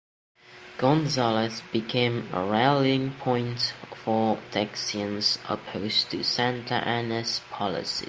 Gonzales became a rallying point for Texians opposed to Santa Anna's policies.